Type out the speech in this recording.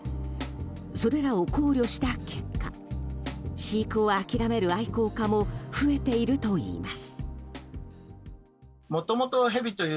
それらを考慮した結果飼育を諦める愛好家も増えているといいます。